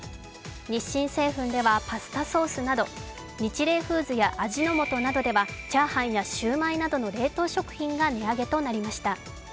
日清製粉ではパスタソースなど、ニチレイフーズや味の素などではチャーハンやシューマイなどの冷凍食品が値上げとなりました。